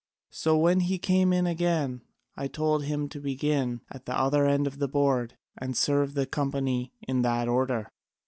So when he came in again, I told him to begin at the other end of the board, and serve the company in that order.